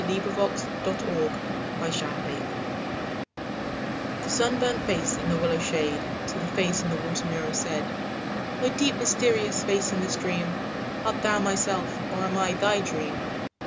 The Face in the Stream The sunburnt face in the willow shade To the face in the water mirror said, "O deep mysterious face in the stream, Art thou myself or am I thy dream?"